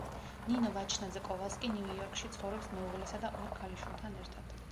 ნინო ვაჩნაძე–კოვალსკი ნიუ–იორკში ცხოვრობს მეუღლესა და ორ ქალიშვილთან ერთად.